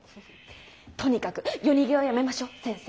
とにかく夜逃げはやめましょう先生。